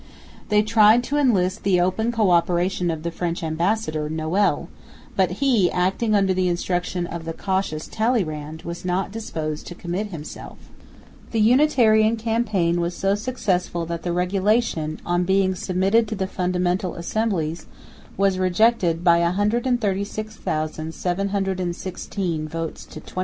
They tried to enlist the open co operation of the French ambassador, Noël, but he, acting under the instruction of the cautious Talleyrand, was not disposed to commit himself. The unitarian campaign was so successful that the Regulation, on being submitted to the Fundamental Assemblies, was rejected by 136,716 votes to 27,955.